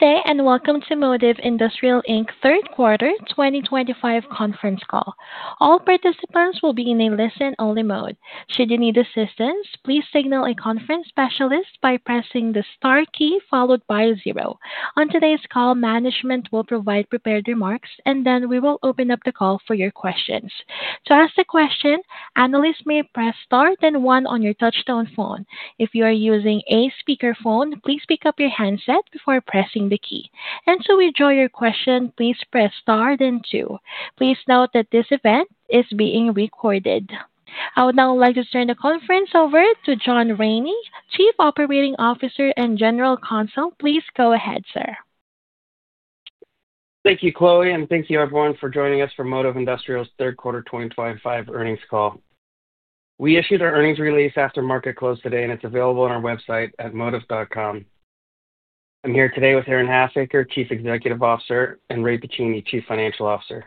Good day and welcome to Modiv Industrial Third Quarter 2025 Conference Call. All participants will be in a listen-only mode. Should you need assistance, please signal a conference specialist by pressing the star key followed by zero. On today's call, management will provide prepared remarks, and then we will open up the call for your questions. To ask a question, analysts may press star then one on your touchstone phone. If you are using a speakerphone, please pick up your handset before pressing the key. To withdraw your question, please press star then two. Please note that this event is being recorded. I would now like to turn the conference over to John Raney, Chief Operating Officer and General Consultant. Please go ahead, sir. Thank you, Chloe, and thank you, everyone, for joining us for Modiv Industrial's Third Quarter 2025 Earnings Call. We issued our earnings release after market close today, and it is available on our website at modiv.com. I'm here today with Aaron Halfacre, Chief Executive Officer, and Ray Pacini, Chief Financial Officer.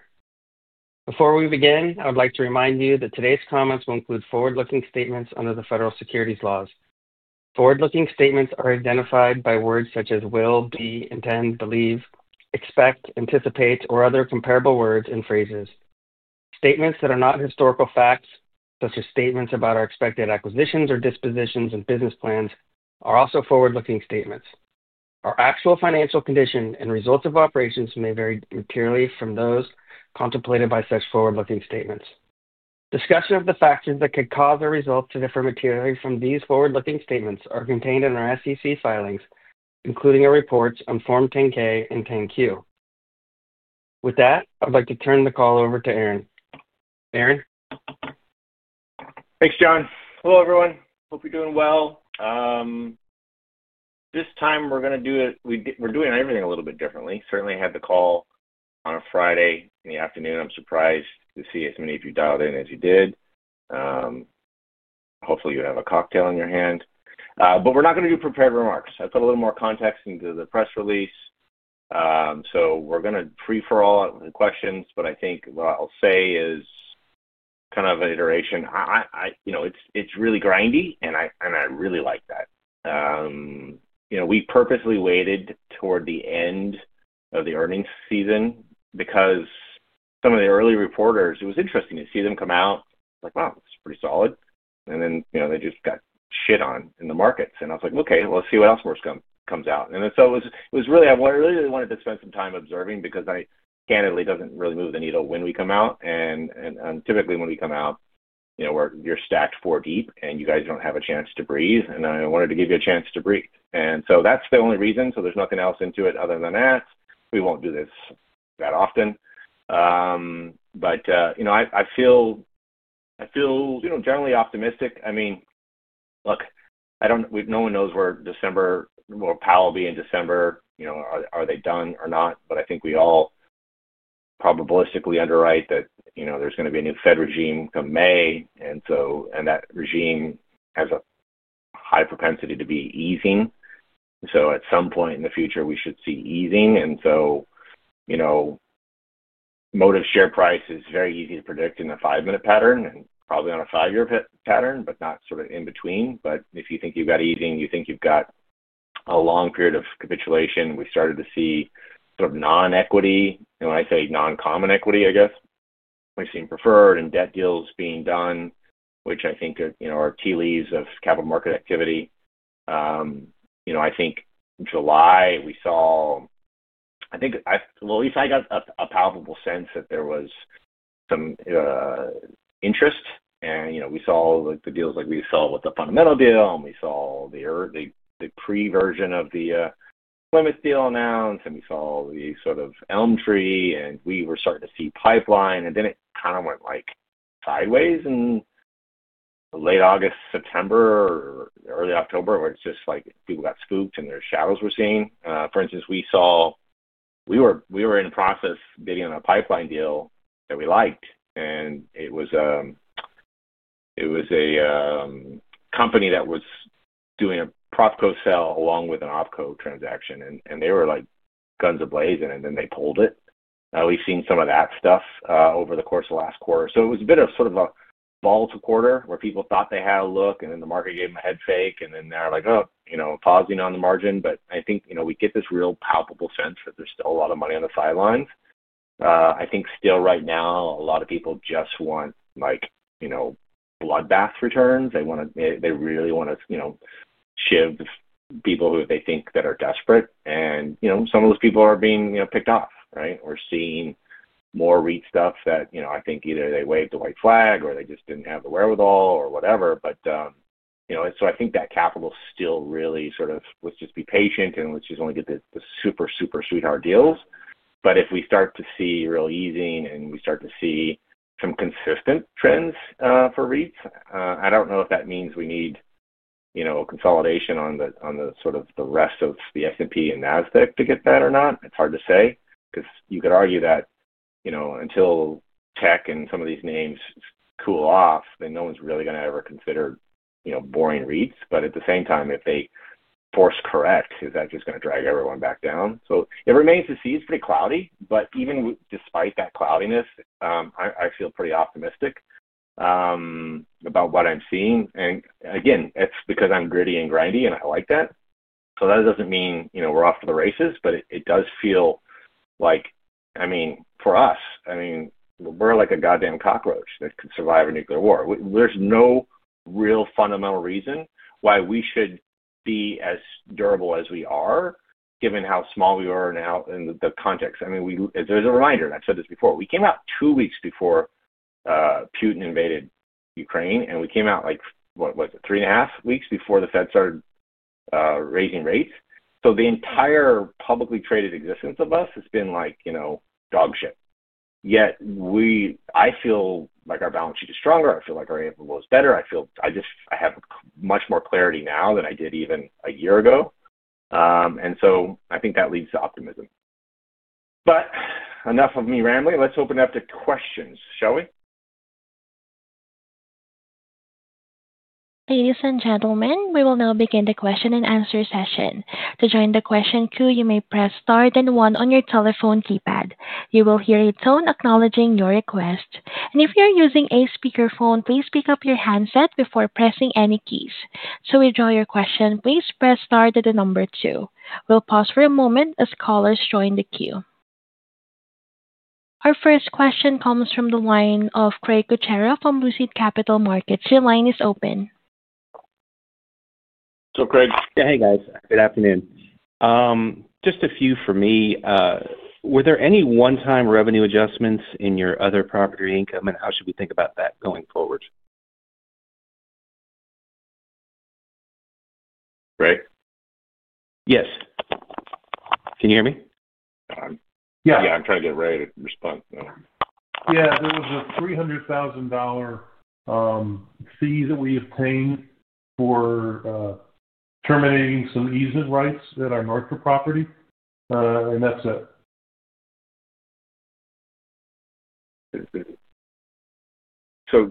Before we begin, I would like to remind you that today's comments will include forward-looking statements under the federal securities laws. Forward-looking statements are identified by words such as will, be, intend, believe, expect, anticipate, or other comparable words and phrases. Statements that are not historical facts, such as statements about our expected acquisitions or dispositions and business plans, are also forward-looking statements. Our actual financial condition and results of operations may vary materially from those contemplated by such forward-looking statements. Discussion of the factors that could cause or result to differ materially from these forward-looking statements are contained in our SEC filings, including our reports on Form 10-K and 10-Q. With that, I would like to turn the call over to Aaron. Aaron? Thanks, John. Hello, everyone. Hope you're doing well. This time we're going to do it. We're doing everything a little bit differently. Certainly, I had the call on a Friday in the afternoon. I'm surprised to see as many of you dialed in as you did. Hopefully, you have a cocktail in your hand. We're not going to do prepared remarks. I put a little more context into the press release. We're going to free for all questions, but I think what I'll say is kind of an iteration. It's really grindy, and I really like that. We purposely waited toward the end of the earnings season because some of the early reporters, it was interesting to see them come out. It's like, wow, this is pretty solid. Then they just got shit on in the markets. I was like, okay, let's see what else comes out. It was really, I really wanted to spend some time observing because I candidly does not really move the needle when we come out. Typically when we come out, you are stacked four deep, and you guys do not have a chance to breathe. I wanted to give you a chance to breathe. That is the only reason. There is nothing else into it other than that. We will not do this that often. I feel generally optimistic. I mean, look, no one knows where December will pal be in December. Are they done or not? I think we all probabilistically underwrite that there is going to be a new Fed regime come May. That regime has a high propensity to be easing. At some point in the future, we should see easing. Modiv share price is very easy to predict in a five-minute pattern and probably on a five-year pattern, but not sort of in between. If you think you've got easing, you think you've got a long period of capitulation. We started to see sort of non-equity. When I say non-common equity, I guess we've seen preferred and debt deals being done, which I think are tea leaves of capital market activity. In July, we saw, at least I got a palpable sense that there was some interest. We saw the deals like we saw with the fundamental deal, and we saw the pre-version of the Plymouth deal announced, and we saw the sort of ElmTree, and we were starting to see pipeline. It kind of went sideways in late August, September, early October, where it's just like people got spooked and their shadows were seen. For instance, we were in the process of bidding on a pipeline deal that we liked. It was a company that was doing a Propco sale along with an Opco transaction. They were like guns ablaze, and then they pulled it. We've seen some of that stuff over the course of the last quarter. It was a bit of sort of a ball to quarter where people thought they had a look, and then the market gave them a head fake, and then they're like, oh, pausing on the margin. I think we get this real palpable sense that there's still a lot of money on the sidelines. I think still right now, a lot of people just want bloodbath returns. They really want to shiv people who they think that are desperate. And some of those people are being picked off, right? We're seeing more REIT stuff that I think either they waved the white flag or they just did not have the wherewithal or whatever. But I think that capital still really sort of let's just be patient and let's just only get the super, super sweetheart deals. If we start to see real easing and we start to see some consistent trends for REITs, I do not know if that means we need consolidation on the rest of the S&P and NASDAQ to get that or not. It's hard to say because you could argue that until tech and some of these names cool off, then no one's really going to ever consider boring REITs. At the same time, if they force correct, is that just going to drag everyone back down? It remains to see. It's pretty cloudy. Even despite that cloudiness, I feel pretty optimistic about what I'm seeing. Again, it's because I'm gritty and grindy, and I like that. That doesn't mean we're off to the races, but it does feel like, I mean, for us, I mean, we're like a goddamn cockroach that could survive a nuclear war. There's no real fundamental reason why we should be as durable as we are, given how small we are now in the context. There's a reminder. I've said this before. We came out two weeks before Putin invaded Ukraine, and we came out like, what, three and a half weeks before the Fed started raising rates. The entire publicly traded existence of us has been like dog shit. Yet I feel like our balance sheet is stronger. I feel like our AFFO is better. I have much more clarity now than I did even a year ago. I think that leads to optimism. Enough of me rambling. Let's open it up to questions, shall we? Ladies and gentlemen, we will now begin the question and answer session. To join the question queue, you may press star then one on your telephone keypad. You will hear a tone acknowledging your request. If you're using a speakerphone, please pick up your handset before pressing any keys. To withdraw your question, please press star then the number two. We'll pause for a moment as callers join the queue. Our first question comes from the line of Craig Kucera from Lucid Capital Markets. Your line is open. So Craig. Yeah, hey, guys. Good afternoon. Just a few for me. Were there any one-time revenue adjustments in your other property income, and how should we think about that going forward? Craig? Yes. Can you hear me? Yeah. Yeah, I'm trying to get Ray to respond. Yeah, there was a $300,000 fee that we obtained for terminating some easement rights that are north of property. That's it. To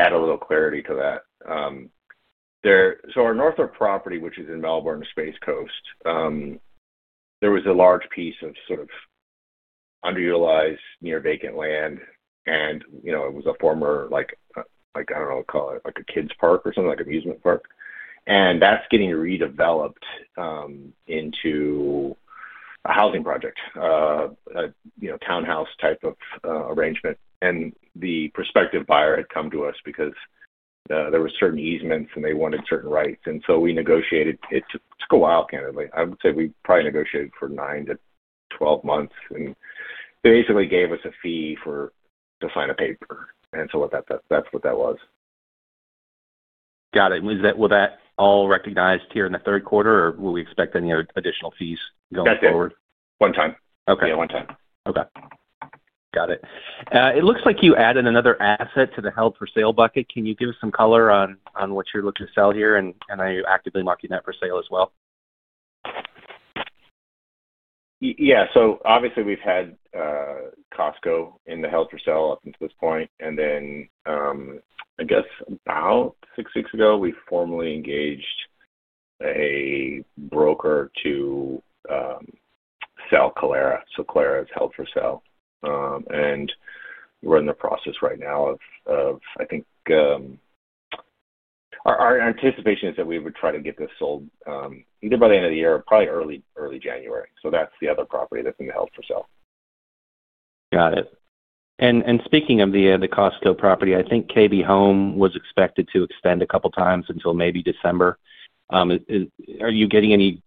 add a little clarity to that, our north of property, which is in Melbourne, Space Coast, there was a large piece of sort of underutilized, near-vacant land, and it was a former, I do not know what to call it, like a kids' park or something, like amusement park. That is getting redeveloped into a housing project, a townhouse type of arrangement. The prospective buyer had come to us because there were certain easements, and they wanted certain rights. We negotiated. It took a while, candidly. I would say we probably negotiated for 9-12 months. They basically gave us a fee for us to sign a paper. That is what that was. Got it. Was that all recognized here in the third quarter, or will we expect any additional fees going forward? That's it. One time. Okay. Yeah, one time. Okay. Got it. It looks like you added another asset to the held-for-sale bucket. Can you give us some color on what you're looking to sell here, and are you actively marking that for sale as well? Yeah. Obviously, we've had Costco in the held-for-sale up until this point. I guess about six weeks ago, we formally engaged a broker to sell Clara. Clara is held-for-sale. We're in the process right now of, I think our anticipation is that we would try to get this sold either by the end of the year or probably early January. That's the other property that's in the held-for-sale. Got it. Speaking of the Costco property, I think KB Home was expected to extend a couple of times until maybe December. Are you getting any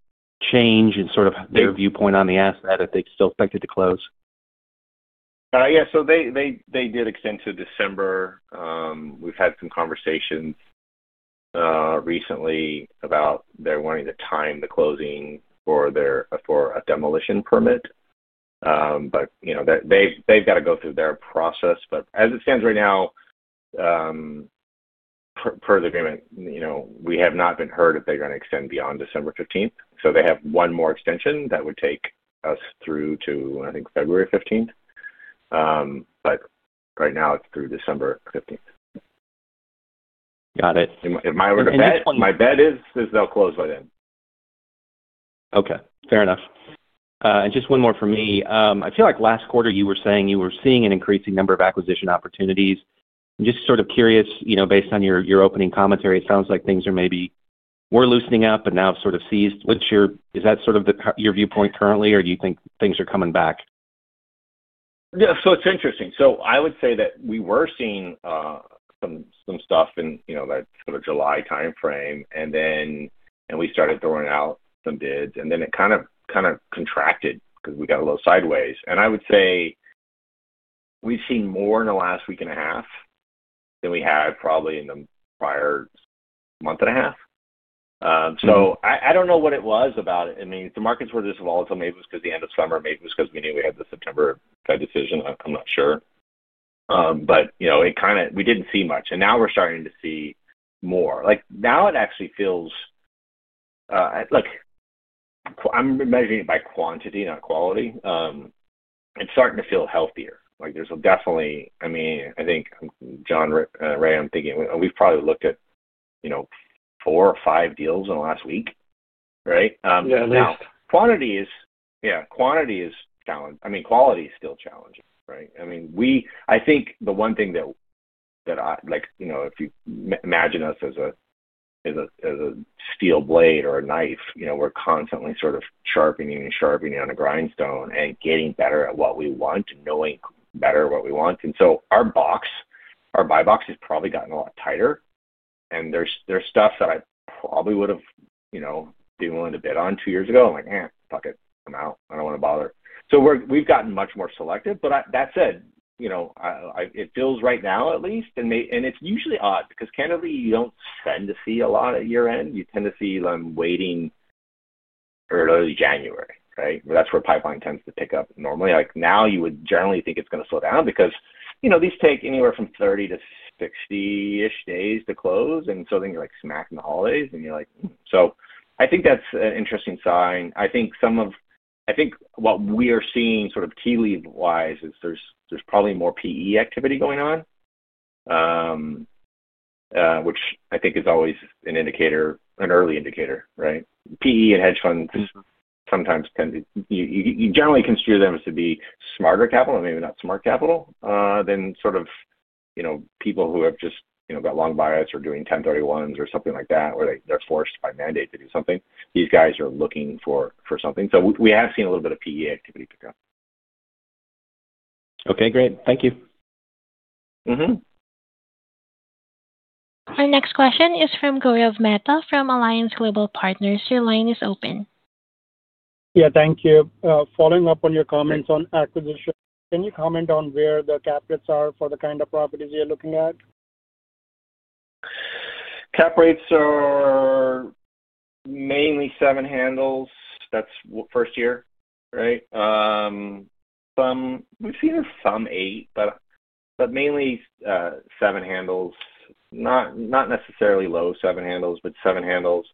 change in sort of their viewpoint on the asset if they still expect it to close? Yeah. So they did extend to December. We've had some conversations recently about they're wanting to time the closing for a demolition permit. They've got to go through their process. As it stands right now, per the agreement, we have not been heard if they're going to extend beyond December 15th. They have one more extension that would take us through to, I think, February 15th. Right now, it's through December 15th. Got it. My bet is they'll close by then. Okay. Fair enough. Just one more for me. I feel like last quarter, you were saying you were seeing an increasing number of acquisition opportunities. I'm just sort of curious, based on your opening commentary, it sounds like things are maybe more loosening up, but now sort of seized. Is that sort of your viewpoint currently, or do you think things are coming back? Yeah. It's interesting. I would say that we were seeing some stuff in that sort of July timeframe, and we started throwing out some bids. Then it kind of contracted because we got a little sideways. I would say we've seen more in the last week and a half than we had probably in the prior month and a half. I don't know what it was about it. I mean, the markets were this volatile. Maybe it was because the end of summer. Maybe it was because we knew we had the September decision. I'm not sure. It kind of we didn't see much. Now we're starting to see more. Now it actually feels like I'm measuring it by quantity, not quality. It's starting to feel healthier. There's definitely, I mean, I think, John, Ray, I'm thinking we've probably looked at four or five deals in the last week, right? Yeah, at least. Now, quantity is, yeah, quantity is challenge. I mean, quality is still challenging, right? I mean, I think the one thing that if you imagine us as a steel blade or a knife, we're constantly sort of sharpening and sharpening on a grindstone and getting better at what we want and knowing better what we want. Our buy box has probably gotten a lot tighter. There is stuff that I probably would have been willing to bid on two years ago. I'm like, fuck it. I'm out. I do not want to bother. We have gotten much more selective. That said, it feels right now, at least, and it is usually odd because, candidly, you do not tend to see a lot at year-end. You tend to see them waiting early January, right? That is where pipeline tends to pick up normally. Now you would generally think it's going to slow down because these take anywhere from 30-60 days to close. Then you're smack in the holidays, and you're like, "I think that's an interesting sign." I think what we are seeing sort of tea leaf-wise is there's probably more PE activity going on, which I think is always an early indicator, right? PE and hedge funds sometimes tend to, you generally construe them as to be smarter capital or maybe not smart capital than sort of people who have just got long bias or are doing 1031s or something like that, where they're forced by mandate to do something. These guys are looking for something. We have seen a little bit of PE activity pick up. Okay. Great. Thank you. Our next question is from Gaurav Mehta from Alliance Global Partners. Your line is open. Yeah, thank you. Following up on your comments on acquisition, can you comment on where the cap rates are for the kind of properties you're looking at? Cap rates are mainly seven handles. That's first year, right? We've seen a thumb eight, but mainly seven handles. Not necessarily low seven handles, but seven handles.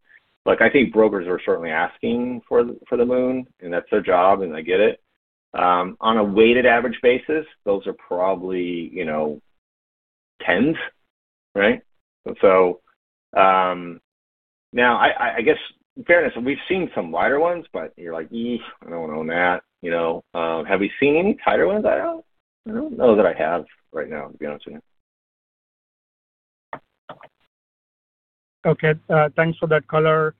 I think brokers are certainly asking for the moon, and that's their job, and they get it. On a weighted average basis, those are probably tens, right? Now, I guess, in fairness, we've seen some wider ones, but you're like, I don't want to own that. Have we seen any tighter ones? I don't know that I have right now, to be honest with you. Okay. Thanks for that color.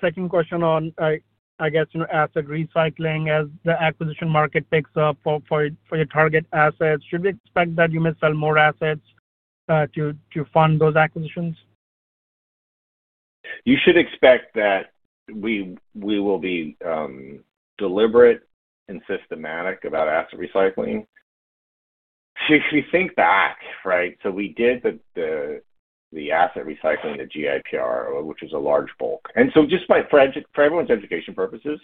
Second question on, I guess, asset recycling. As the acquisition market picks up for your target assets, should we expect that you may sell more assets to fund those acquisitions? You should expect that we will be deliberate and systematic about asset recycling. If you think back, right, we did the asset recycling, the GFPR, which was a large bulk. Just for everyone's education purposes,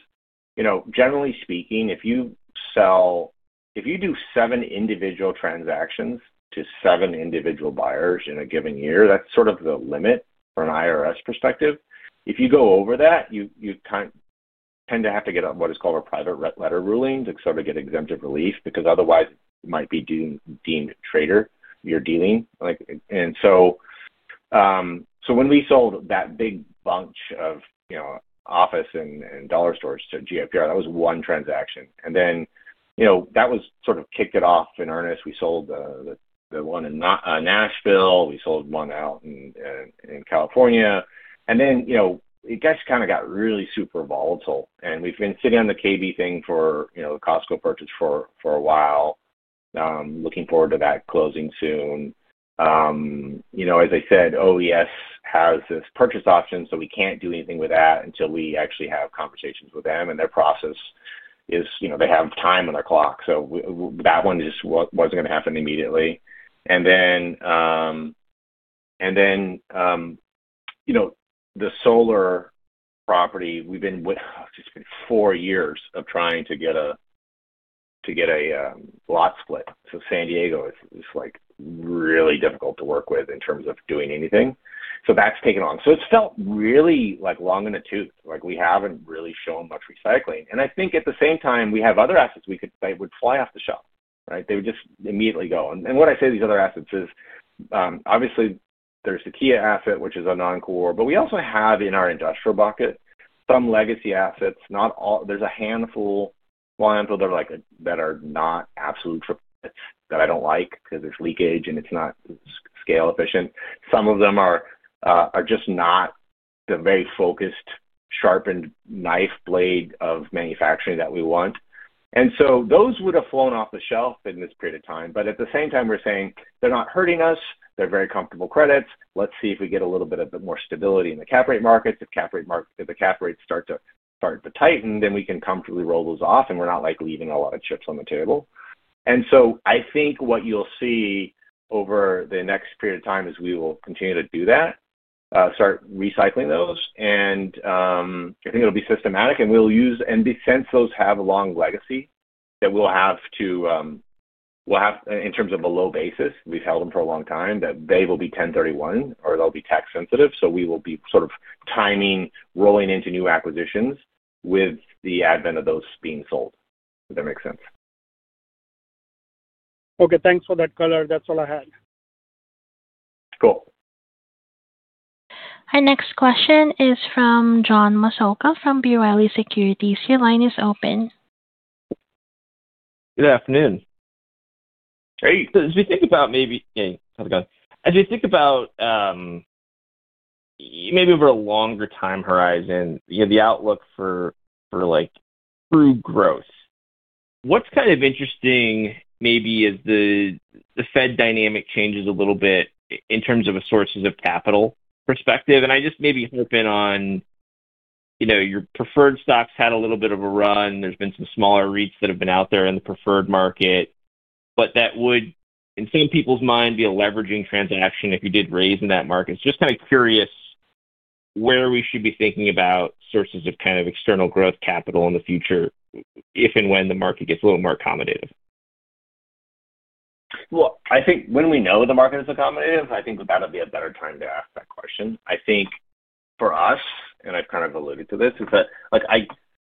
generally speaking, if you do seven individual transactions to seven individual buyers in a given year, that's sort of the limit from an IRS perspective. If you go over that, you tend to have to get what is called a private letter ruling to sort of get exempted relief because otherwise, it might be deemed a trader you're dealing. When we sold that big bunch of office and dollar stores to GFPR, that was one transaction. That sort of kicked it off in earnest. We sold the one in Nashville. We sold one out in California. It just kind of got really super volatile. We have been sitting on the KB thing for the Costco purchase for a while, looking forward to that closing soon. As I said, OES has this purchase option, so we cannot do anything with that until we actually have conversations with them. Their process is they have time on their clock. That one just was not going to happen immediately. The solar property, we have been with it for four years of trying to get a lot split. San Diego is really difficult to work with in terms of doing anything. That has taken long. It has felt really long in the tooth. We have not really shown much recycling. I think at the same time, we have other assets we could say would fly off the shelf, right? They would just immediately go. What I say to these other assets is, obviously, there's the Kia asset, which is a non-core, but we also have in our industrial bucket some legacy assets. There's a handful that are not absolute triplets that I don't like because there's leakage, and it's not scale efficient. Some of them are just not the very focused, sharpened knife blade of manufacturing that we want. Those would have flown off the shelf in this period of time. At the same time, we're saying they're not hurting us. They're very comfortable credits. Let's see if we get a little bit of more stability in the cap rate markets. If the cap rates start to tighten, then we can comfortably roll those off, and we're not leaving a lot of chips on the table. I think what you'll see over the next period of time is we will continue to do that, start recycling those. I think it'll be systematic, and since those have a long legacy that we'll have to, in terms of a low basis, we've held them for a long time, they will be 1031 or they'll be tax sensitive. We will be sort of timing, rolling into new acquisitions with the advent of those being sold, if that makes sense. Okay. Thanks for that color. That's all I had. Cool. Our next question is from John Massocca from BYO Securities. Your line is open. Good afternoon. Hey. As we think about maybe how's it going? As we think about maybe over a longer time horizon, the outlook for true growth, what's kind of interesting maybe as the Fed dynamic changes a little bit in terms of a sources of capital perspective? I just maybe hope in on your preferred stocks had a little bit of a run. There's been some smaller REITs that have been out there in the preferred market, but that would, in some people's mind, be a leveraging transaction if you did raise in that market. Just kind of curious where we should be thinking about sources of kind of external growth capital in the future if and when the market gets a little more accommodative? I think when we know the market is accommodative, I think that'll be a better time to ask that question. I think for us, and I've kind of alluded to this, is that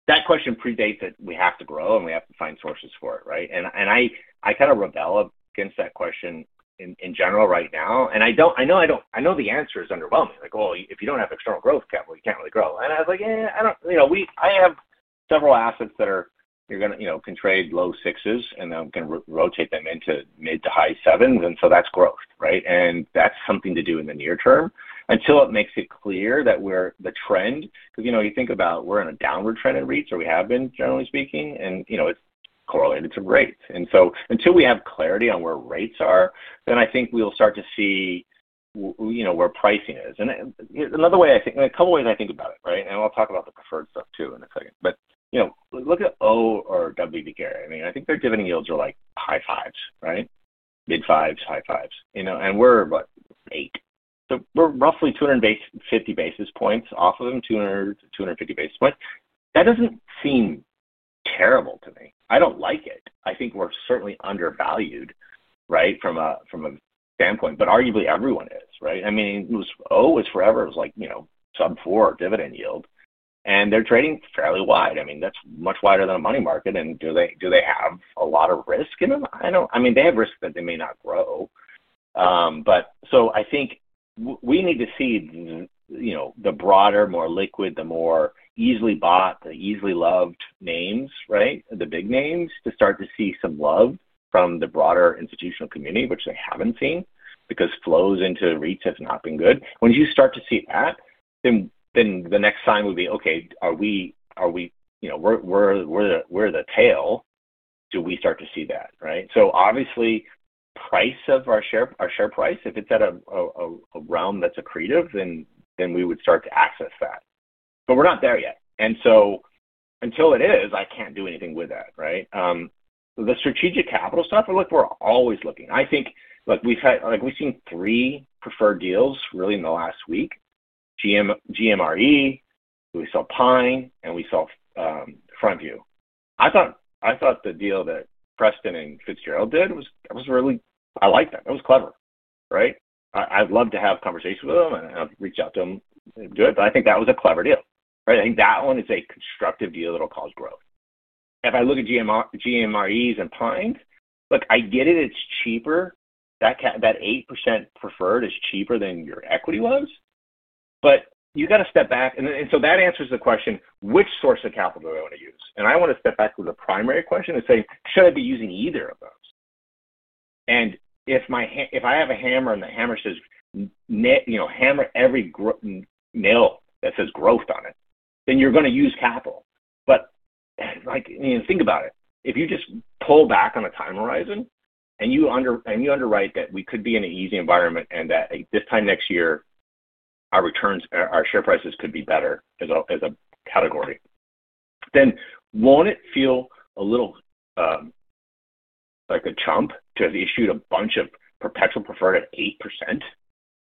that question predates that we have to grow, and we have to find sources for it, right? I kind of rebel against that question in general right now. I know the answer is underwhelming. Like, "Oh, if you don't have external growth capital, you can't really grow." I don't. I have several assets that are going to can trade low sixes, and I'm going to rotate them into mid to high sevens. That's growth, right? That's something to do in the near term until it makes it clear that we're the trend. Because you think about we're in a downward trend in REITs, or we have been, generally speaking, and it's correlated to rates. Until we have clarity on where rates are, then I think we'll start to see where pricing is. Another way I think a couple of ways I think about it, right? I'll talk about the preferred stuff too in a second. Look at (O) or W. P. Carey. I mean, I think their dividend yields are like high fives, right? Mid fives, high fives. And we're what? Eight. So we're roughly 250 basis points off of them, 250 basis points. That doesn't seem terrible to me. I don't like it. I think we're certainly undervalued, right, from a standpoint, but arguably everyone is, right? I mean, O was forever. It was like sub four dividend yield. And they're trading fairly wide. I mean, that's much wider than a money market. And do they have a lot of risk in them? I mean, they have risk that they may not grow. But I think we need to see the broader, more liquid, the more easily bought, the easily loved names, right, the big names, to start to see some love from the broader institutional community, which they haven't seen because flows into REITs have not been good. Once you start to see that, then the next sign would be, "Okay, are we, we're the tail? Do we start to see that?" Right? Obviously, the price of our share price, if it's at a realm that's accretive, then we would start to access that. We're not there yet. Until it is, I can't do anything with that, right? The strategic capital stuff, we're always looking. I think we've seen three preferred deals really in the last week: GMRE, we saw PINE, and we saw FrontView. I thought the deal that Preston and Fitzgerald did was really, I liked that. It was clever, right? I'd love to have conversations with them and reach out to them and do it, but I think that was a clever deal, right? I think that one is a constructive deal that'll cause growth. If I look at GMRE's and PINE, look, I get it. It's cheaper. That 8% preferred is cheaper than your equity was. You got to step back. That answers the question, which source of capital do I want to use? I want to step back to the primary question and say, "Should I be using either of those?" If I have a hammer and the hammer says hammer every nail that says growth on it, then you're going to use capital. Think about it. If you just pull back on a time horizon and you underwrite that we could be in an easy environment and that this time next year, our share prices could be better as a category, then will it not feel a little like a chump to have issued a bunch of perpetual preferred at 8%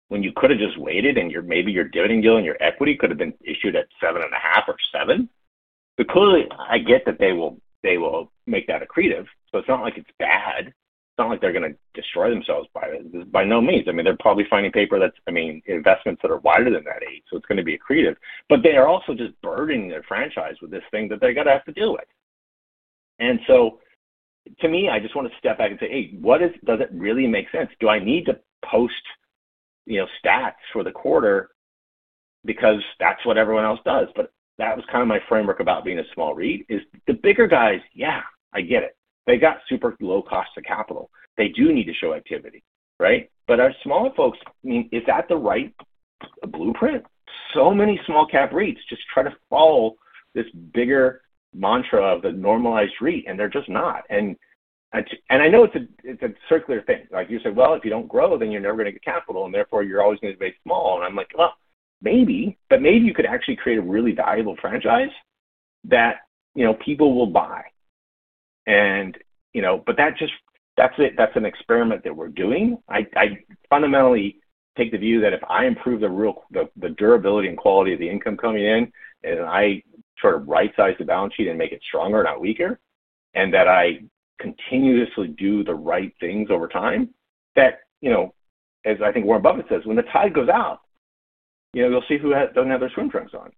when you could have just waited and maybe your dividend yield and your equity could have been issued at 7.5% or 7%? I get that they will make that accretive. It is not like it is bad. It is not like they are going to destroy themselves by it. By no means. I mean, they're probably finding paper that's, I mean, investments that are wider than that 8. So it's going to be accretive. They are also just burdening their franchise with this thing that they're going to have to deal with. To me, I just want to step back and say, "Hey, does it really make sense? Do I need to post stats for the quarter because that's what everyone else does?" That was kind of my framework about being a small REIT is the bigger guys, yeah, I get it. They've got super low cost of capital. They do need to show activity, right? Our smaller folks, I mean, is that the right blueprint? So many small-cap REITs just try to follow this bigger mantra of the normalized REIT, and they're just not. I know it's a circular thing. You say, "If you don't grow, then you're never going to get capital, and therefore, you're always going to be small." I'm like, "Maybe. But maybe you could actually create a really valuable franchise that people will buy." That's it. That's an experiment that we're doing. I fundamentally take the view that if I improve the durability and quality of the income coming in and I sort of right-size the balance sheet and make it stronger, not weaker, and that I continuously do the right things over time, that as I think Warren Buffett says, "When the tide goes out, you'll see who doesn't have their swim trunks on."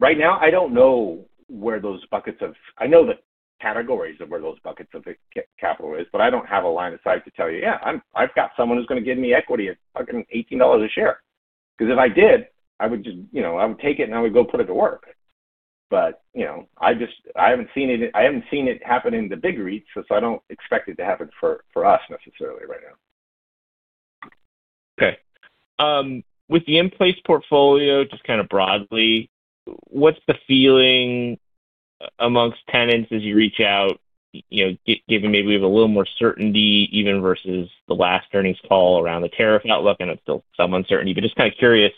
Right now, I don't know where those buckets of I know the categories of where those buckets of capital are, but I don't have a line of sight to tell you, "Yeah, I've got someone who's going to give me equity at fucking $18 a share." If I did, I would just take it and I would go put it to work. I haven't seen it happen in the big REITs, so I don't expect it to happen for us necessarily right now. Okay. With the in-place portfolio, just kind of broadly, what's the feeling amongst tenants as you reach out, given maybe we have a little more certainty even versus the last earnings call around the tariff outlook? I know it's still some uncertainty, but just kind of curious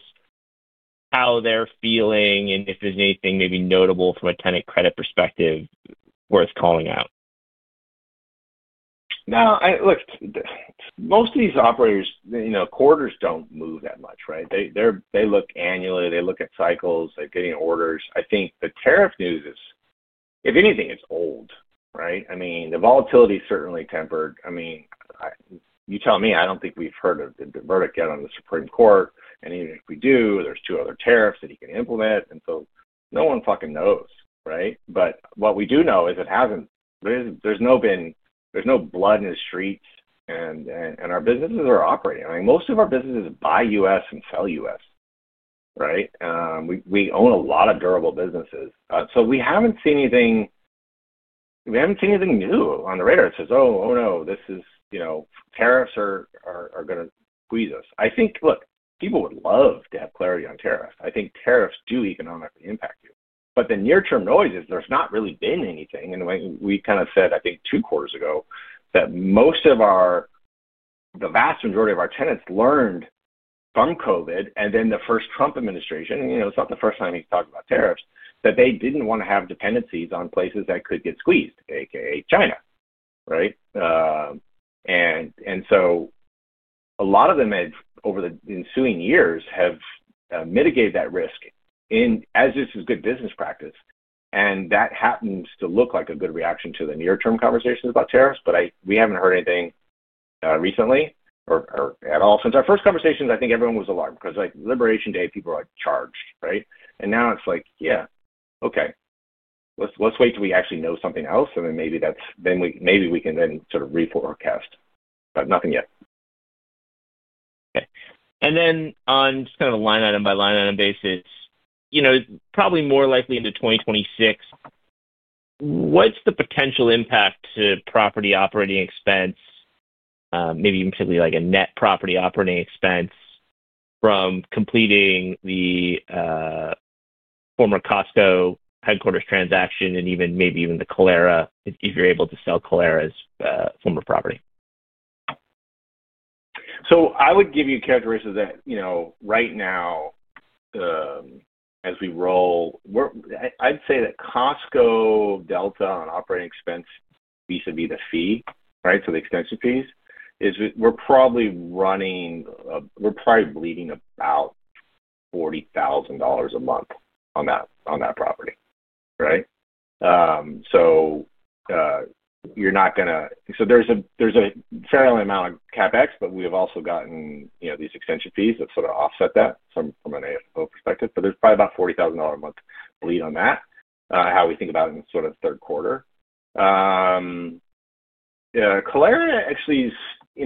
how they're feeling and if there's anything maybe notable from a tenant credit perspective worth calling out? Now, look, most of these operators, quarters do not move that much, right? They look annually. They look at cycles. They are getting orders. I think the tariff news is, if anything, it is old, right? I mean, the volatility is certainly tempered. I mean, you tell me. I do not think we have heard of the verdict yet on the Supreme Court. Even if we do, there are two other tariffs that you can implement. No one fucking knows, right? What we do know is there is no blood in the streets, and our businesses are operating. Most of our businesses buy US and sell US, right? We own a lot of durable businesses. We have not seen anything new on the radar. It says, "Oh, oh no, this is tariffs are going to squeeze us." I think, look, people would love to have clarity on tariffs. I think tariffs do economically impact you. The near-term noise is there's not really been anything. We kind of said, I think, two quarters ago that most of our, the vast majority of our tenants learned from COVID and then the first Trump administration—it's not the first time he's talked about tariffs—that they didn't want to have dependencies on places that could get squeezed, a.k.a. China, right? A lot of them over the ensuing years have mitigated that risk as this is good business practice. That happens to look like a good reaction to the near-term conversations about tariffs, but we haven't heard anything recently or at all. Since our first conversations, I think everyone was alarmed because Liberation Day, people were charged, right? Now it's like, "Yeah, okay. Let's wait till we actually know something else, and then maybe we can then sort of reforecast." Nothing yet. Okay. On just kind of a line item by line item basis, probably more likely into 2026, what's the potential impact to property operating expense, maybe even particularly like a net property operating expense from completing the former Costco headquarters transaction and maybe even the Clara, if you're able to sell Clara's former property? I would give you characteristics that right now, as we roll, I'd say that Costco delta on operating expense vis-à-vis the fee, right, so the extension fees, we're probably running, we're probably bleeding about $40,000 a month on that property, right? You're not going to, so there's a fair amount of CapEx, but we have also gotten these extension fees that sort of offset that from an AFFO perspective. There's probably about $40,000 a month bleed on that, how we think about it in sort of third quarter.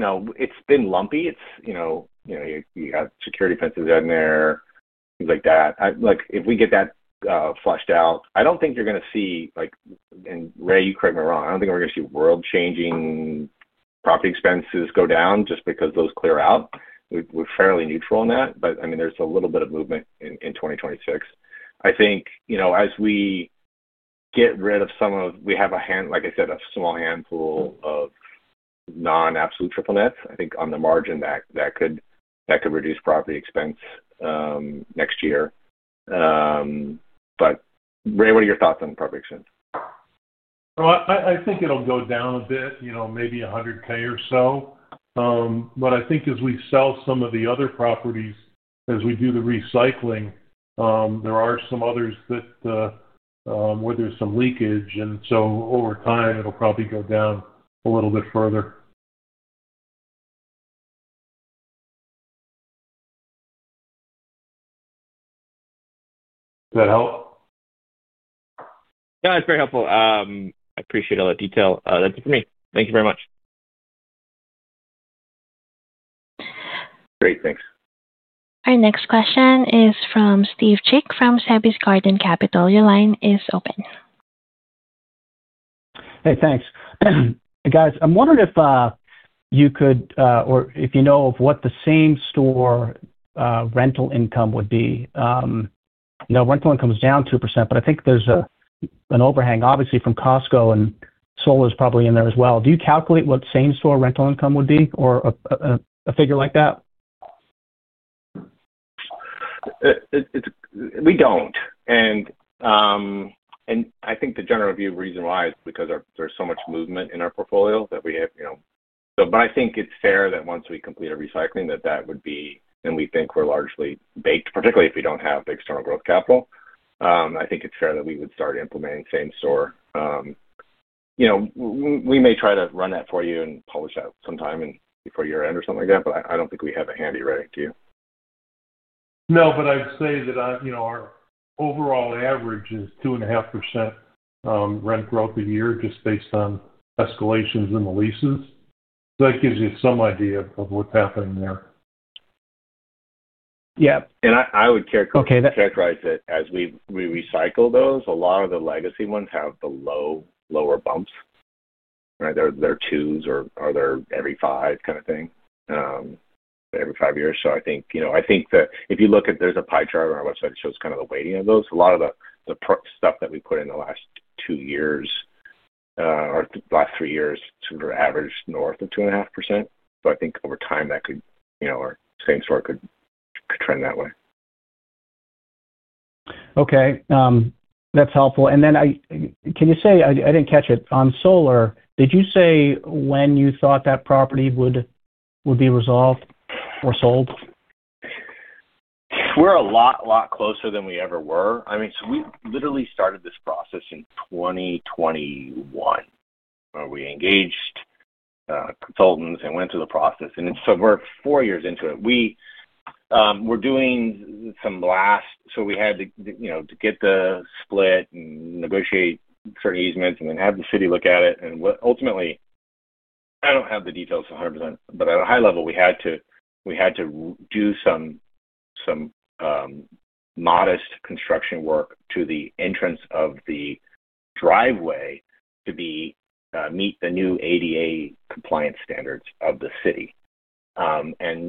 Clara, actually, it's been lumpy. You got security fences in there, things like that. If we get that flushed out, I don't think you're going to see, and Ray, you correct me if I'm wrong, I don't think we're going to see world-changing property expenses go down just because those clear out. We're fairly neutral on that. I mean, there's a little bit of movement in 2026. I think as we get rid of some of—we have, like I said, a small handful of non-absolute triple nets, I think on the margin that could reduce property expense next year. Ray, what are your thoughts on property expense? I think it'll go down a bit, maybe $100,000 or so. I think as we sell some of the other properties, as we do the recycling, there are some others where there's some leakage. Over time, it'll probably go down a little bit further. Does that help? Yeah, it's very helpful. I appreciate all that detail. That's it for me. Thank you very much. Great. Thanks. Our next question is from Steve Chick from Sebis Garden Capital. Your line is open. Hey, thanks. Guys, I'm wondering if you could or if you know of what the same store rental income would be. Now, rental income is down 2%, but I think there's an overhang, obviously, from Costco, and Solar is probably in there as well. Do you calculate what same store rental income would be or a figure like that? We don't. I think the general view reason why is because there's so much movement in our portfolio that we have, but I think it's fair that once we complete a recycling, that that would be, and we think we're largely baked, particularly if we don't have external growth capital. I think it's fair that we would start implementing same store. We may try to run that for you and publish that sometime before year-end or something like that, but I don't think we have a handy ready to you. No, but I'd say that our overall average is 2.5% rent growth a year just based on escalations in the leases. That gives you some idea of what's happening there. Yeah. I would characterize it as we recycle those. A lot of the legacy ones have the lower bumps, right? They're twos or they're every five kind of thing, every five years. I think that if you look at—there's a pie chart on our website that shows kind of the weighting of those. A lot of the stuff that we put in the last two years or the last three years sort of averaged north of 2.5%. I think over time, that could—or same store could trend that way. Okay. That's helpful. Can you say—I didn't catch it—on Solar, did you say when you thought that property would be resolved or sold? We're a lot closer than we ever were. I mean, we literally started this process in 2021, where we engaged consultants and went through the process. We're four years into it. We're doing some last—so we had to get the split and negotiate certain easements and then have the city look at it. Ultimately, I don't have the details 100%, but at a high level, we had to do some modest construction work to the entrance of the driveway to meet the new ADA compliance standards of the city.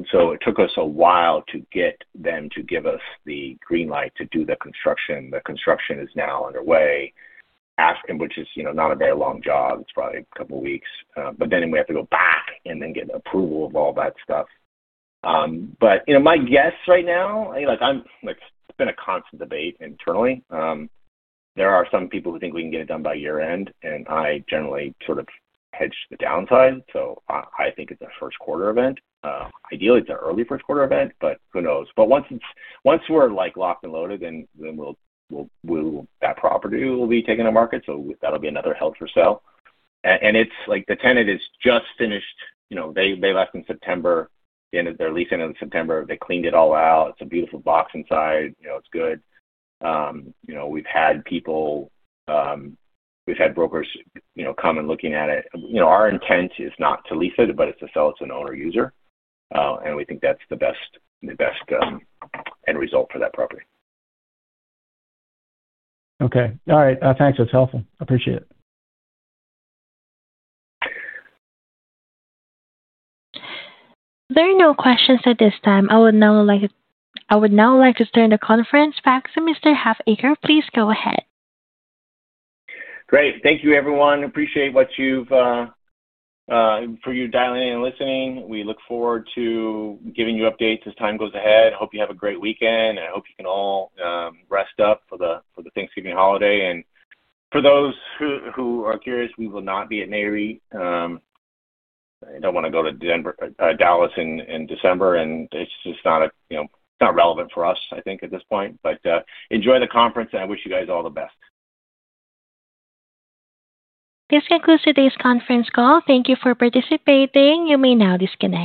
It took us a while to get them to give us the green light to do the construction. The construction is now underway, which is not a very long job. It's probably a couple of weeks. We have to go back and then get approval of all that stuff. My guess right now, it's been a constant debate internally. There are some people who think we can get it done by year-end, and I generally sort of hedge the downside. I think it's a first-quarter event. Ideally, it's an early first-quarter event, but who knows? Once we're locked and loaded, that property will be taken to market. That will be another held-for-sale. The tenant has just finished. They left in September, ended their lease end of September. They cleaned it all out. It's a beautiful box inside. It's good. We've had people—we've had brokers come and look at it. Our intent is not to lease it, but to sell it to an owner-user. We think that's the best end result for that property. Okay. All right. Thanks. That's helpful. Appreciate it. There are no questions at this time. I would now like to turn the conference back to Mr. Halfacre. Please go ahead. Great. Thank you, everyone. Appreciate what you've—for your dialing in and listening. We look forward to giving you updates as time goes ahead. I hope you have a great weekend. I hope you can all rest up for the Thanksgiving holiday. For those who are curious, we will not be at NAREIT. I do not want to go to Dallas in December, and it is just not relevant for us, I think, at this point. Enjoy the conference, and I wish you guys all the best. This concludes today's conference call. Thank you for participating. You may now disconnect.